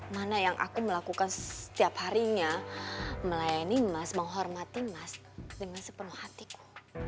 mana yang aku melakukan setiap harinya melayani emas menghormati mas dengan sepenuh hatiku